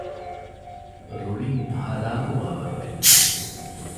ރުޅިން ހަލާކުވާވަރު ވެ